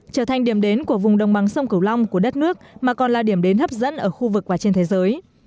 trở thành điểm đến của vùng đồng bằng sông cửu long của đất nước mà còn là điểm đến hấp dẫn ở khu vực và trên thế giới